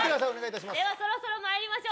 そろそろまいりましょう。